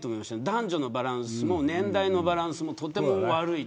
男女のバランスも年代のバランスもとても悪い。